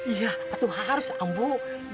iya atuh harus ampun